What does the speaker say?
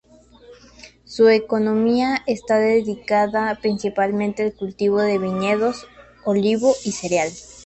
Su economía está dedicada principalmente al cultivo de viñedos, olivo y cereal.